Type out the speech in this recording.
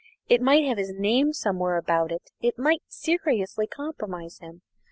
It might have his name somewhere about it; it might seriously compromise him.